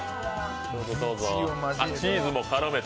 チーズも絡めて。